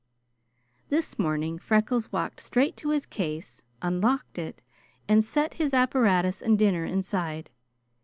This morning Freckles walked straight to his case, unlocked it, and set his apparatus and dinner inside.